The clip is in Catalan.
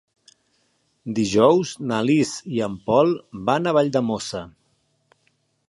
Dijous na Lis i en Pol van a Valldemossa.